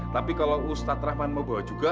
tapi kalau ustadz rahman mau bawa juga